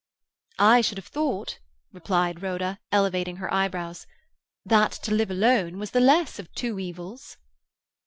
"I should have thought," replied Rhoda, elevating her eyebrows, "that to live alone was the less of two evils."